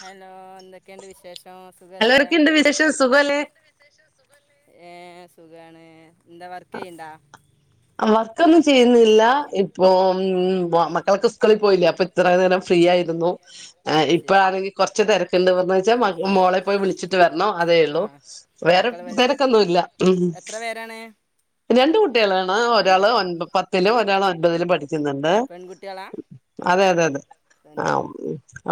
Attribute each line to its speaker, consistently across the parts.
Speaker 1: Hello എന്തൊ കെണ്ട് വിശേഷം സുഖല്ലെ ഏ സുഖാണ് എന്താ വർക്ക് എയ്യണ്ടാ
Speaker 2: ഇക്കൊന്നും ചെയ്യുന്നില്ല ഇ ഇപ്പൊ ഉം മക്കളൊക്കെ സ്കൂളിൽ പോയില്ലേ അപ്പൊ ഇത്ര നേരം ഫ്രീ ആയിരുന്നു എ ഇപ്പഴാണെങ്കിൽ കെറച്ച് തിരക്കുണ്ട് എന്നുവച്ചാ മോളെ പോയി വിളിച്ചിട്ട് വരണം അതേ ഉള്ളൂ വേറെ തിരക്കൊന്നും ഇല്ല ഉം രണ്ട് കുട്ടികളാണ് ഒരാള് ഒമ്പ പത്തിലും ഒരാള് ഒ മ്പതില് പഠി ക്കേന്നുണ്ട് അതെ അതെ അതെ ആഹ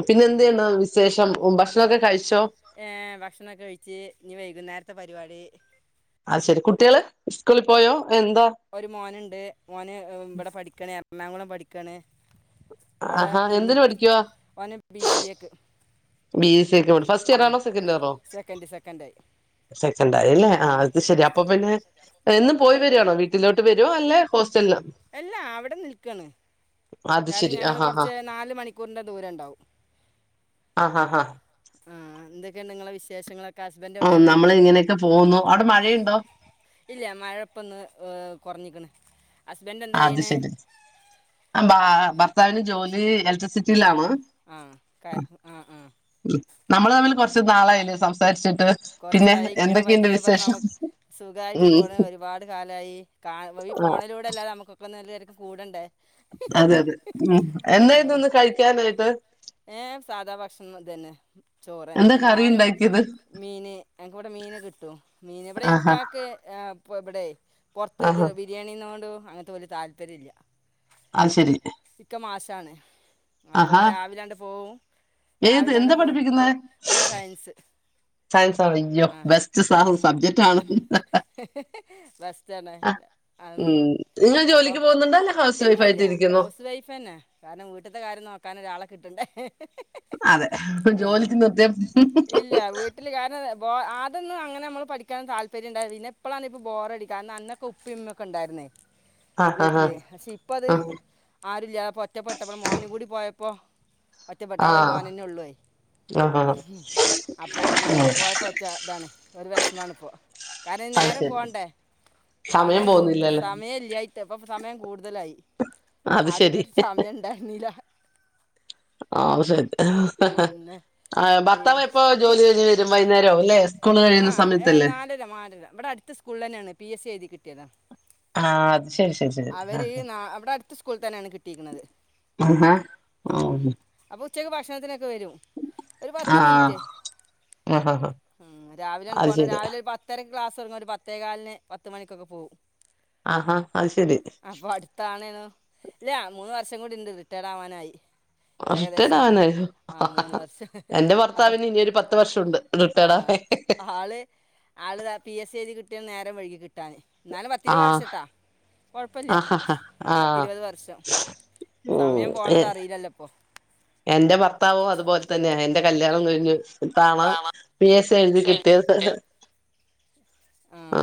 Speaker 2: പിന്നെ എന്തെയാണ് വിശേഷം ഭക്ഷണൊക്കെ കഴിച്ചോ അ ശെരി കുട്ടികള് ഇസ്കൂളിൽ പോയോ
Speaker 1: ഒരു മോനുണ്ട് മോന് ഇവിടെ പഠിക്കണ് [unintelligible] ണാകുളം പഠിക്കണ അവിടെ നിന്ന ഓന് ബി സി എക്ക്
Speaker 2: ബി സി ക്ക് പഠി ഫസ്റ്റ് ഇയർ ആണോ സെക്ക ഇറോ സെക്ക അല്ലേ ആ അത് ശരി അപ്പൊ പിന്നെ എന്നും പോ യിവരികണോ വീട്ടിലോട്ട് വരുവോ അല്ലെ ഹോസ്റ്റല
Speaker 1: അല്ലാ അവിടെ നിൽക്ക്ണ് കാരണം ഞങ്ങള് കൊറച്ച് നാല് മണിക്കൂറിന്റെ ദൂരം ഒണ്ടാവും
Speaker 2: ആഹ ഹാ
Speaker 1: എന്തൊക്കെയ നിങ്ങളെ വിശേഷങ്ങളൊ
Speaker 2: ആ നമ്മൾ ഇങ്ങനെയൊക്കെ പോന്നു അവിടെ മഴയുണ്ടോ
Speaker 1: കെറഞ്ഞിക്കണ്
Speaker 2: അത് ശരി ബാ ഭർത്താവിന് ജോലി ഇലക്ട്രിസിറ്റിയിലാണ്
Speaker 1: ആഹ് ആ ആ കൊറച്ചായി ഇങ്ങനെ പരിചയപ്പെടുന്ന നമുക്ക് സുഖായിട്ട് പോണ്. ഒരുപാട് കാലമായി കാ ഈ ഫോണിലൂടെ അല്ലാതെ നമുക്ക് ഇപ്പൊ നല്ലരു കൂടണ്ടേ
Speaker 2: അതെ അതെ ഉം എന്തായിന്ന് കഴിക്കാനായിട്ട്
Speaker 1: ഏഹ് സാധാ ഭക്ഷണം തന്നെ. ചോറ് തന്നെ. മോന് മീന് ഞങ്ങക്ക് ഇവിടെ മീന് കിട്ടും മീൻ ഇവിടെ ഇക്കാക്ക് ഇപ്പൊ ഇവിടെ പുറത്ത് ഇത് ബിരിയാണി തിന്നോണ്ടോ അങ്ങനത്തെ ഒരു താല്പര്യം ഇല്ല
Speaker 2: അത് ശരി
Speaker 1: ആണേ അപ്പോ രാവിലങ്ങട്ട് പോകും രാവിലങ്ങട്ട് പോകും. ഓല് സയൻസ് ആ ബെസ്റ്റ് ആണ്. ഉം അപ്പൊ ഇല്ലല്ലാ ഹൌസ് വൈഫ് തന്നെ കാരണം വീട്ട്ത്തെ കാര്യം നോക്കാൻ ഒരാളെ കിട്ടണ്ടേ ഉം ഇല്ല വീട്ടില് കാ പോ ആ അന്നൊന്നും അങ്ങനെ നമ്മള് പഠിക്കാൻ താല്പര്യംണ്ടായിരുന്നില്ല. പിന്നെ ഇപ്പളാണ് ഇപ്പോ ബോറടി. അന്നൊക്കെ ഉപ്പയും ഉമ്മയൊക്കെ ഉണ്ടായിരുന്നേ വീട്ടില്. പക്ഷെ ഇപ്പത് ആരൂല്ലാതെ ഇപ്പൊ ഒറ്റപ്പെട്ടപ്പോ മോനും കൂടി പോയപ്പോ പോ ഒറ്റപ്പെട്ടു. ആ ഒരു മോനന്നെ ഉള്ളൂ. അപ്പൊ ഓന് പോയപ്പോ ഒരു ഇതാണ്. ഒരു വെഷമാണ് ഇപ്പോ. കാരണം നേരം പോകണ്ടേ സമയം കൂടുതല് സമയം ഇല്ലായിട്ട്. ഇപ്പൊ സമയം കൂടുതലായി. ആദ്യക്കെ സമയം ഉണ്ടായിരുന്നില്ല
Speaker 2: ആവുസേദ് ആ ഭർത്താവ് എപ്പോ ജോലി കഴിഞ്ഞ് വരും വൈ വൈകുന്നേരമാകുമല്ലേ സ്
Speaker 1: ആഹ് ആ നാലര നാലര ഇവിടെ അടുത്ത സ്കൂളിൽ തന്നെയാണ് പി എസ് സി എഴുതി കിട്ടിയതാ
Speaker 2: ആഅതെ
Speaker 1: അവര് അവിടെ അടുത്ത സ്കൂളിൽ തന്നെയാണ് കിട്ടീക്ക്ണത്. ഉം അപ്പൊ ഉച്ചക്ക് ഭക്ഷ [inaudible] വരും. ഒരു പത്ത് മിനിറ്റ്. രാവിലെ അങ്ങട്ട് പോണം രാവിലെ ഒരു പത്തര ക്ലാസ് തുടങ്ങ ഒരു പത്തേകാലിന് പത്ത്മണിക്കൊക്കെ പോകും
Speaker 2: ആഹാ
Speaker 1: അപ്പൊ അടുത്താണേനും ഇല്ല മൂന്ന് വർഷ ഇപ്രാവശ്യം കൂടി ഇണ്ട് റിട്ടേർഡ് ആവാനായി ഏകദേശം ആ മൂന്ന് വർഷം അപ്പൊ ആ ആള് ആള് താ പി എസ് സി എഴുതി കിട്ടി നേരം വയ്കിയൊ കിട്ടാന് ഇന്നാലും പത്തിരുവത് വർഷട്ടോ കൊഴപ്പല്ല്യ. പത്തിരുവത് വർഷം സമയം പോണത് അറീലല്ലോ ഇപ്പൊ
Speaker 2: ഓ അത്പോൽ തന്നെയ എന്റെ കല്യാണം കഴിഞ്ഞു. ഇപ്പാണ് പി എസ് സി എഴുതി കിട്ടിയത്. ആ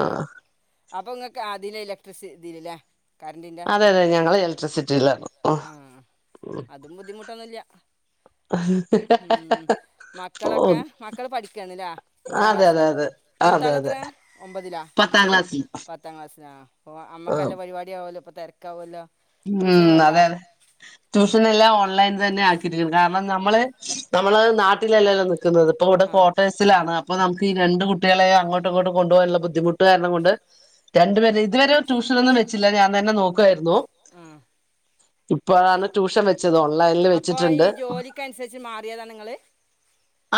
Speaker 1: അപ്പൊ ഇങ്ങക്ക് അതില് ഇലക്ട്രിസി തീല് ലെ
Speaker 2: അതെ അതെ ഞങ്ങള് ഇലക്ട്രിസിറ്റിയിലാണ്
Speaker 1: ആഹ അതും ബുദ്ധിമുട്ടൊന്നുംല്ല മക്കളൊക്കെ മക്കള് പഠിക്കാണ് ല്ലേ. ഒമ്പതാം ക്ലാസ്സിലാ മൂത്താള് എത്ര ഒമ്പതിലാ പത്താം ക്ലാസ്സിലാ ആ അമ്മക്കല്ല പരിപാടിയ വൊല്ലോ തെര്ക്കാവല്ലോ
Speaker 2: ഉം അതെ അതെ. ട്യൂഷൻ എല്ലാം ഓൺലൈൻ തന്നെ ആക്കിയിട്ട് കാരണം നമ്മള് നമ്മള് നാട്ടിലല്ലല്ലോ നിക്കുന്നത് ഇപ്പ ഇവ്ടെ കോട്ടേഴ്സിലാണ് അപ്പൊ ന ഈ രണ്ട് കുട്ടിയളെ അങ്ങോട്ടും ഇങ്ങോട്ടും കൊണ്ടുപോകാനുള്ള ബുദ്ധിമുട്ട് കാരണം കൊണ്ട് രണ്ടുപേരെ ഇതുവരെ ട്യൂഷനൊന്നും വെച്ചില്ല ഞാൻ തന്നെ നോക്കുവായിരുന്നു.
Speaker 1: ആ
Speaker 2: ഇപ്പഴാണ് ട്യൂഷൻ വെ ച്ചത്. ഓൺലൈന്ൽ വെച്ചിട്ടുണ്ട്.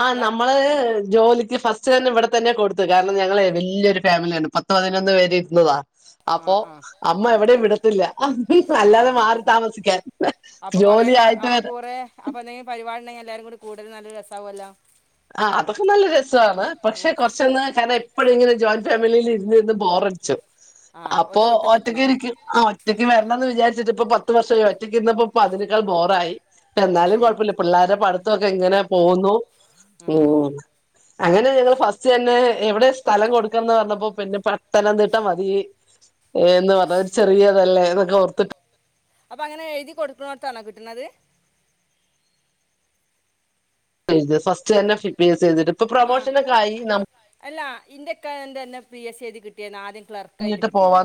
Speaker 2: ആ നമ്മള് ജോലിക്ക് ഫസ്റ്റ് തന്നെ ഇവ്ടെ തന്നെ കൊടുത്തു കാരണം ഞങ്ങളെ വല്യൊരു ഫാമിലിയാണ്. പത്ത് പതിനൊന്ന് പേര് ഇര്ന്നതാ. അപ്പൊ അമ്മ എവിടെയും വിടത്തില്ല. അല്ലാതെ മാറി താമസിക്കാൻ ജോലിയായിട്ട് വര
Speaker 1: രുപാട്ണ്ടെങ്കി എല്ലാരും കൂടി കൂടല് നല്ല രസാഒല്ലോ
Speaker 2: ആ അതൊക്കെ നല്ല രസാന്ന് പക്ഷെ കൊർച്ചന്ന് കാര്ണ എപ്പഴും ങ്ങനെ ജോയിൻ ഫാമിലിയിൽ ഇരുന്ന്ര്ന്ന് ബോറടിച്ചു അപ്പൊ ഒറ്റക്ക് ഇരിക്കും അ ഒറ്റക്ക് വര്ണംന്ന് വിചാരി ച്ച്ത്പ്പൊ പത്ത് വർഷകായി റ്റക്ര്ന്നപ്പപ്പോ പ്പ തിനേകാൾ ബോറായി എന്നാലും കൊഴപ്പല്ല പിള്ളേരെ പട് തോക്കെ ങ്ങനെ പോഉന്നു ഉം അങ്ങനെ ഞങ്ങള് ഫസ്റ്റ് തന്നെ എവിടെ സ്ഥലം കൊടുക്കന്ന് പർഞ്ഞപ്പോ പിന്നെ പത്തനംതിട്ടാ മതി ഹ് ന്ന് പർഞ്ഞഹ് രു ചെറിയതല്ലേ തെന്നോർത്തിട്ട്
Speaker 1: അപ്പൊ അങ്ങനെ എഴുതി കൊടുക്കൊട്ക്ണോട്ത്താണോ കിട്ട്ണത്
Speaker 2: ത് ഫസ്റ്റ്ന്നെ [unintelligible] ചെയ്തിട്ട് പ്പൊ പ്രൊമോഷനൊക്കെ ആയി നമ്
Speaker 1: കേ എന്തെ ന്നെ പി എസ് സി എയ്തി കിട്ടിയാ നാദ്യം ക്ലർക്കായിട്ട് കിട്ടിയിര്ന്ന്.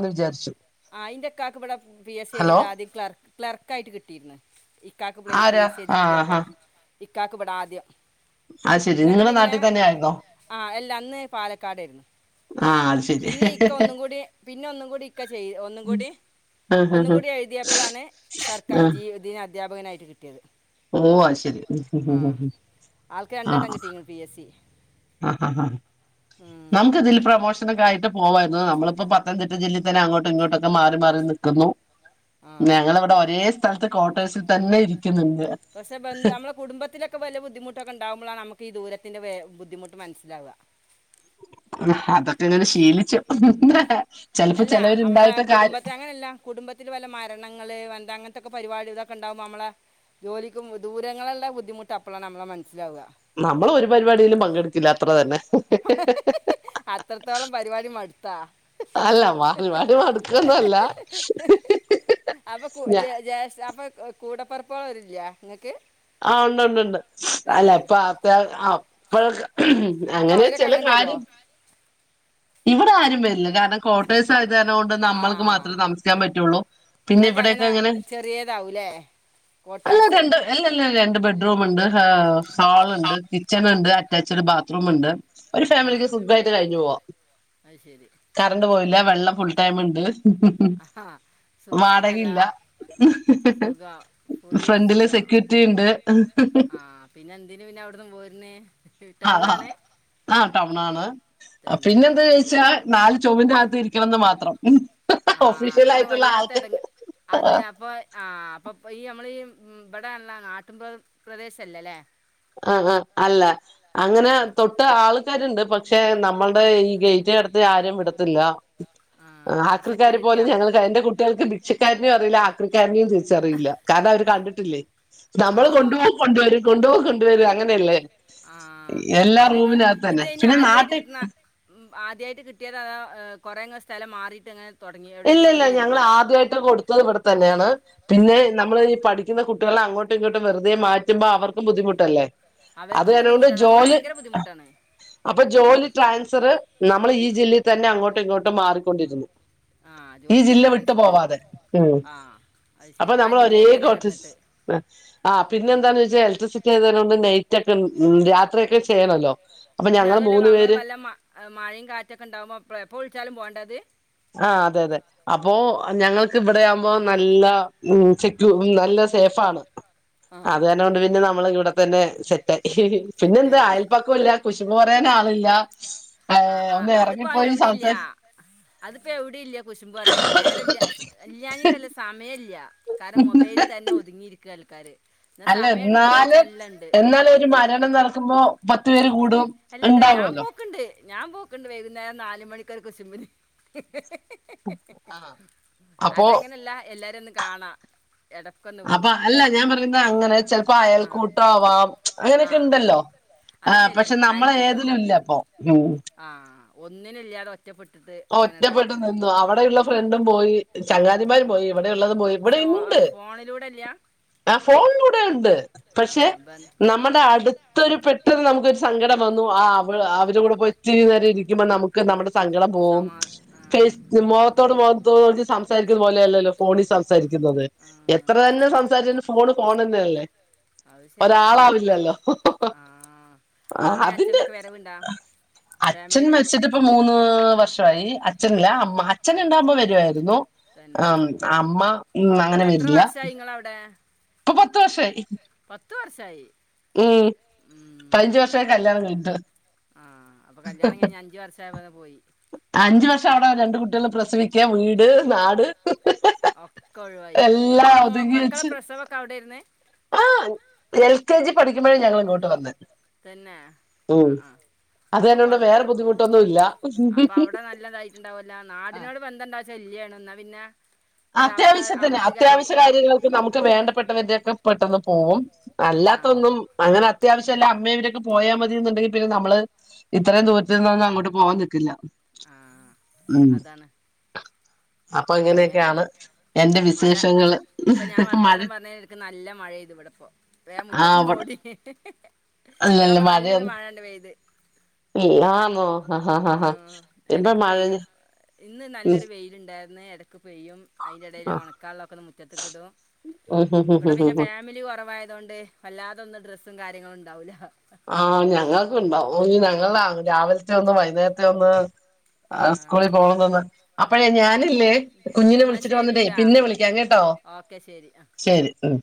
Speaker 1: ആയിന്റെക്കാക്ക് വടെ പി എസ് സി എഴുതിട്ട് ആദ്യം ക്ലർ ക്ലർക്കായിട്ട് കിട്ടിയിര്ന്ന് കാക്കപ്ള്ളൈ പി എസ് സി എയ്തി കിട്ടിയപ്പോ ഇക്കാക്കെബ്ടെ ആദ്യം
Speaker 2: ആഹ് ശെരി നിങ്ളെ നാട്ടി തെ ന്നെ ആയിരുന്നോ?
Speaker 1: ല്ല അന്ന്പാലക്കാടാര്ന്നു പിന്നെ ഇക്ക ഒന്നും കൂടി പിന്നെ ഒന്നു കൂടി ഇക്ക ചെയ് ഒന്നു കൂടി ഒന്നു കൂടി എഴുതിയപ്പളാണ് സർക്കാർ ജീ ദീന് അദ്ധ്യാപകനായി കിട്ടിയത്
Speaker 2: ഓ അത്ശെരി മ്മ് മ്മ്മ് അ ആ ആ ആ ആ നമുക്ക് ഇതില് പ്രമോഷൻ്റ കാ ആയിട്ട് പോവായിരുന്നു നമ്മളിപ്പോ പത്തനംതിട്ട ജില്ലീ തന്നെ അങ്ങോട്ടും ഇങ്ങോട്ടോക്കെ മാറി മാറി നിക്ക്ന്നു ഞങ്ങളവടെ ഒരേസ് സ്ഥലത്ത് ക്വാർട്ടേഴ്സിൽ തന്നെ ഇരിക്ക്ന്ന്ണ്ട്
Speaker 1: പക്ഷെ ബന്താ നമ്മള കുടുംബത്തിലൊക്കെ വല്ല ബുദ്ധിമുട്ടൊക്കെണ്ടാവുമ്പളാണ് അമക്ക് ഈ ദൂരത് ന്റെ വേ ബുദ്ധിമുട്ട് മനസ്സിലാവാ
Speaker 2: അതൊക്കെങ്ങനെ ശീലിച്ചു
Speaker 1: അല്ല അമ്മളെ കുടുംബത്തില് അങ്ങനല്ല കുടുംബത്തില് വല്ല മരണങ്ങള് വന് അങ്ങൻത്തൊക്കെ പരിപാടി ഇതൊക്കെ ഇണ്ടാവുമ്പോ അമ്മളെ ജോലിക്കും ദൂരങ്ങളെള്ള ബുദ്ധിമുട്ടപ്പളാണ് അമ്മള് മൻ
Speaker 2: നമ്മൾ ഒരു പരിപാടിയിലും പങ്കെടുക്കില്ല അത്ര തന്നെ ഇണ്ടാവ ഒരുപാട് മടുക്കൊന്നല്ല ഞ
Speaker 1: കൂടപ്പെർപ്പാളാരുല്ലേ ഇങ്ങക്ക്
Speaker 2: ആ ഒണ്ട് ഒണ്ട് ഒണ്ട് അല്ലപ്പ അ ആപ്പഴൊക്കെ അങ്ങനെ ചെല കാര്യം ഇവിടാരും വെരില്ല കാരണം കോട്ടേസായത് കാരണം കൊണ്ട് നമ്മൾക്ക് മാത്രേ തമസിക്കാൻ പറ്റുള്ളൂ
Speaker 1: നിങ്ങൾക്ക് അങ്ങന ചെറിയതാവുല്ലേ കോട്ടേഴ്സ്
Speaker 2: അല്ല രണ്ട് ബെഡ്റൂമ്ണ്ട് ഹാ ഹാൾ ഇണ്ട് കിച്ചണ് ണ്ട് അറ്റാച്ചഡ് ബാത്റൂമ്ണ്ട് ഒരു ഫാമിലിക്ക് സുഖായിട്ട് കഴിഞ്ഞു പോവാ കറണ്ട് പോവില്ല വെള്ളം ഫുൾ ടൈമ്ണ്ട് വാടകയില്ല ഫ്രണ്ടില് സെക്
Speaker 1: ആ പിന്നെന്തിന് പിന്നവ്ട്ന്ന് പോര്ണ ടൗൺ ആണ്
Speaker 2: ടൗണാണ് പിന്നെ എന്ത് ചോയിച്ചാ നാല് ചൊവരിന്റാത്ത് ഇരിക്കണംന്ന് മാത്രം മ്മ്
Speaker 1: ആ അതാണ് വല്ലാത്ത എടങ് അത് അപ്പൊ ആ അപ്പൊ ഈ അമ്മളെ ഈ മ്മ് ഇവിടെള്ള നാട്ടുംപ്രദേശല്ലല്ലേ
Speaker 2: ആ ആ അല്ല അങ്ങനെ തൊട്ട് ആള് കാര്യയുണ്ട് പക്ഷെ നമ്മൾടെ ഈ ഗേറ്റകട്ത്ത് ആരിം വിടത്തില്ല ആക്രിക്കാര് പോലും ഞങ്ങൾ എൻ്റെ കുട്ടികൾക്ക് ക്ഷക്കാരനൊ അറീല്ല ആക്രിക്കാര്നി [unintelligible] തിരിച്ചറില്ല കാരണം അവര് കണ്ടിട്ടില്ലേ നമ്മള് കൊണ്ട് പോകും കൊണ്ട് വരും കൊണ്ട് പോകും കൊണ്ട്
Speaker 1: ആ അതന്നെ ങ്ങളെ ഇതയ്ന് ആദ്യായ്ട്ട് കിട്ട്ണ ആദ്യായ്ട്ട് കിട്ട്യതോ അതോ കുറെങ്ങ സ്ഥലം മാറിയിട്ടങ്ങനെ
Speaker 2: ഇല്ലല്ല ഞങള് ആദ്യയിട്ടു കൊടുത്തത് ഇവിടെ തന്ന്യാണ് പിന്നെ നമ്മള് ഈ പഠിക്കുന്ന കുട്ടികൾ അങ്ങോട്ടും ഇങ്ങോട്ടും വെറുതെ മാറ്റുമ്പോ അവർക്കും ബുദ്ധിമുട്ടല്ലേ അത്കേരോണ്ട് ജോല് അപ്പൊ ജോലി ട്രാൻസ്ഫറ് നമ്മൾ ഈ ജില്ലയിൽ തന്നെ അങ്ങോട്ടും ഇങ്ങോട്ടും മാറിക്കൊണ്ടിരുന്നു ഈ ജില്ല വിട്ടു പോവാതെ ഉം അപ്പൊ നമ്മൾ ഒരേ കോൺഷസ് ആ പിന്നെന്താന്ന് വെച്ചാ ഇലക്ട്രിസിറ്റി [unintelligible] റ്റക്കെ ഉം രാത്രിയൊക്കെ ചെയ്യണല്ലോ
Speaker 1: പിന്നെ അതൊല്ല നമ്മള് വല്ല മ മഴിം. കാറ്റൊക്കെണ്ടാവുമ്പോ പ്പഎപ്പ വ്ളിച്ചാലും പോണ്ടത്
Speaker 2: ആ അതെതെ അപ്പോ ഞങ്ങൾക്ക് ഇവിടെയാവുമ്പോ നല്ല സെക്യൂ നല്ല സേഫാണ് അത് തന്നെ കൊണ്ട് പിന്നെ നമ്മള് ഇവിടെ തന്നെ സെറ്റായി പിന്നെന്താ അയൽപ്പക്കംല്ലാം കുഷ് കുശുമ്പ് പറയാനും ആളില്ല
Speaker 1: ആ ആ അതിപ എവിടേം ഇല്ല അതിപ്പോ എവിടെം ഇല്ല കുശുമ്പ് പറയാനെ നേരം ഇല്ലാഞിട്ടല്ല സമയ ഇല്ല കാരണം മൊബൈലിൽ തന്നെ ഒതുങ്ങിയിരിക്കുകയാ ആൾക്കാര്
Speaker 2: അല്ല എന്നാലും എന്നാലും ഒരു മരണം നടക്കുമ്പോ പത്തു പേര് കൂടും ഉണ്ടാവുമല്ലോ
Speaker 1: ഞാൻ പോക്കണ്ട് വൈകുന്നേരം നാലു മണിക്കൊരു കുശുമ്പിന്
Speaker 2: ആ അപ്പോ
Speaker 1: കാണാം
Speaker 2: അപ്പൊ അല്ല ഞാൻ പറയുന്നത് അങ്ങനെ ചെലപ്പോ അയൽക്കൂട്ടമാവാം അങ്ങനെയൊക്കെ ഉണ്ടല്ലോ ആ പക്ഷെ നമ്മൾ ഏതിലും ഇല്ല അപ്പൊ
Speaker 1: ആ ഒന്നിനും ഇല്ലാതെ ഒറ്റ
Speaker 2: ഒറ്റപ്പെട്ട് നിന്നു അവിടെയള്ള ഫ്ര രണ്ടും പോയി ചങ്ങാതിമാര് പോയി ഇവിടെ ഉള്ളത് പോയി ഇവിടെയുണ്ട് ആ ഫോണ്ലൂടെ ഉണ്ട് പക്ഷേ നമ്മുടെ അടുത്തൊരു പെട്ടെന്ന് നമുക്കൊരു സങ്കടം വന്നു ആ അവ അവരകൂടെ പോയി [unintelligible] ഇവര് ഇരിക്കുമ്പോ നമുക്ക് നമ്മുടെ സങ്കടം പോം [unintelligible] മോത്തോടും മോത്തോടച്ച് സംസാരിക്കുന്ന പോലെയല്ലല്ലോ ഫോണിൽ സംസാരിക്കുന്നത് എത്ര തന്നെ സംസാരിച്ച ഫോണ് ഫോൺ തന്നെയല്ലേ ഒരാളാവില്ലല്ലോ ത്ത അതിന്റെ അച്ഛൻ മരിച്ചിട്ട് ഇപ്പ മൂന്ന് ച്ചായി അഛൻല്ല അമ്മ അച്ഛനുണ്ടാവുമ്പോ വരുവായിരുന്നു ആ അം അമ്മ ഉ അങ്ങനെ വര്ല്ല
Speaker 1: ആ
Speaker 2: ഇപ്പൊ പത്ത് വർഷായി ഉം
Speaker 1: ഉം പതിനഞ്ച് വർഷായി കല്ല്യാണം കഴിഞ്ഞിട്ട് ആ അപ്പൊ കല്ല്യാണം കഴിഞ്ഞ് അഞ്ച് വർഷായപ്പോത്തിന് പോയി
Speaker 2: അഞ്ചു വർഷം അവിടെ രണ്ട് കുട്ടികളെ പ്രസവിക്കുക വീട് നാട്
Speaker 1: ഒക്കെ ഒഴിവായി അപ്പൊ മക്കളെ പ്രസവ ക്കെ അവിടായിര്ന്ന് തന്നെ ആ ആ അപ്പൊ കൊഴ്പ്പ അപ്പൊ അവിടെ നല്ലതായിട്ടുണ്ടാവുല്ലോ നാടിനോട് ബന്ധണ്ടോച്ച ഇല്ലേണും ന്നാ പിന്നെ
Speaker 2: അത്യാവശ്യത്തിന് അത്യാവശ്യ കാര്യങ്ങൾക്ക് നമുക്ക് വേണ്ടപ്പെട്ടവരുടെയൊക്കെ പെട്ടെന്ന് ഓം അല്ലാത്തൊന്നും അങ്ങനെ അത്യാവശ്യല്ല അമ്മ ഇവരൊക്കെ പോയാൽ മതിയന്നുണ്ടെങ്കിൽ പിന്നെ നമ്മള് ഇത്രയും ദൂരത്ത്ന്നൊന്നും അങ്ങോട്ട് പോവാാൻ നിൽക്കില്ല
Speaker 1: ആ അതാണ്
Speaker 2: അപ്പൊ അങ്ങനെ
Speaker 1: മഴ ഇപ്പൊ ഞാൻ വർത്താനം പറഞ്ഞ എക്ക് നല്ല മഴെയ്ത് ഇവിടെപ്പോ വേം മുറ്റത്ത്ന്ന് ഓടി ഇവിടെപ്പോ നല്ലൊരു മഴണ്ട് പെയ്ത് ആ ഉം ഇടക്ക് പെയ്യും ഇന്ന് നല്ലൊരു വെയിലണ്ടാ നേ പെയ്യും അയ്ൻ്റെടേല് ഒണക്കാൻ ഉള്ളതൊക്കെ ഒന്ന് റ്റത്ത്ക്കിടും ഇവിടെ പിന്നെ ഫാമിലി കുറവായതുകൊണ്ട് വല്ലാതൊന്ന് ഡ്രസ് കാര്യങ്ങള് ഉണ്ടാവൂലാ
Speaker 2: രാവിലത്തെ ഒന്ന് വൈകുന്നേരത്തെ ഒന്ന് ആ സ്കൂളിൽ പോവുന്നതൊന്ന് അപ്പഴേ ഞാനില്ലേ കുഞ്ഞിനെ വിളിച്ചിട്ട് വന്നിട്ടേയ് പിന്നെ വിളിക്കാം കെട്ടോ ശരി ഉം